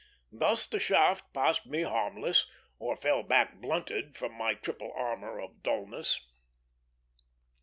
Thus the shaft passed me harmless, or fell back blunted from my triple armor of dulness.